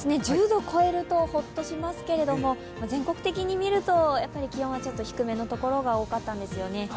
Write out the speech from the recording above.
１０度を超えるとホッとしますけど、全国的に見ると、気温は低めのところが多かったんですよね。